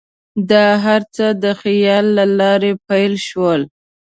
دا هر څه د خیال له لارې پیل شول.